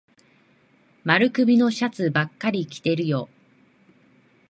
丸首のシャツばっかり着てるよ。